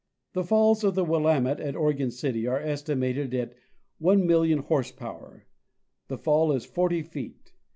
The falls of the Willamette at Oregon City are estimated at 1,000,000 horse power; the fall is forty feet.